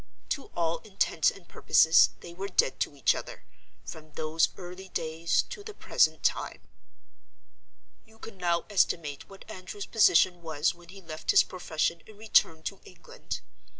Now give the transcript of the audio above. To all intents and purposes they were dead to each other, from those early days to the present time. "You can now estimate what Andrew's position was when he left his profession and returned to England.